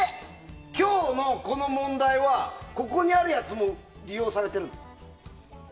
今日のこの問題はここにあるやつも利用されているんですか？